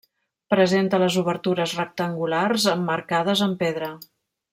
Presenta les obertures rectangulars, emmarcades en pedra.